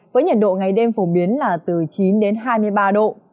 với nhiệt độ ngày đêm phổ biến là từ chín đến hai mươi ba độ